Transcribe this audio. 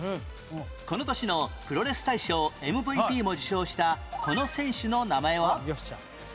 この年のプロレス大賞 ＭＶＰ も受賞したこの選手の名前は？